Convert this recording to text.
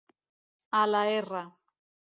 A la R